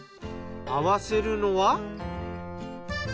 合わせるのは。